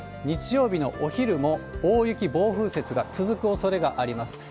日曜日のお昼も大雪、暴風雪が続くおそれがあります。